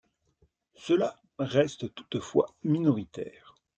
Cela reste toutefois minoritaire.